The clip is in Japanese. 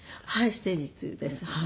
ステージⅡです。